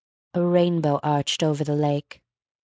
A rainbow arched over the lake.